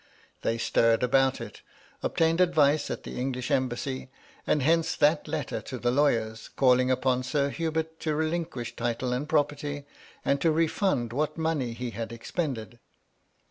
They stirred about it, obtained advice at the English Embassy; and hence that letter to the lawyers, calling upon Sr Hubert to relinquish title and property, and to refund what money he had expended.